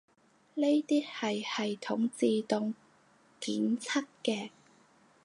呢啲係系統自動檢測嘅